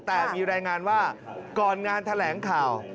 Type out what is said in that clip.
แต่มีรายงานว่าก่อนงานแถลงข่าว